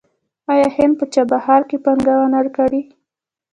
آیا هند په چابهار کې پانګونه کړې؟